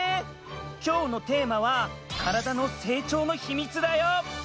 きょうのテーマは「カラダの成長のヒミツ」だよ。